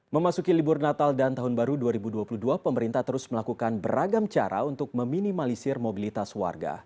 memasuki libur natal dan tahun baru dua ribu dua puluh dua pemerintah terus melakukan beragam cara untuk meminimalisir mobilitas warga